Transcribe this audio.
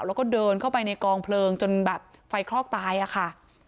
แล้วก็เดินเข้าไปในกองเพลิงจนแบบไฟคลอกตายอะค่ะ